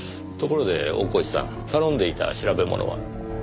ところで大河内さん頼んでいた調べ物は？